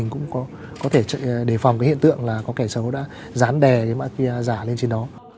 cũng có thể đề phòng cái hiện tượng là có kẻ xấu đã dán đè cái mã kia giả lên trên đó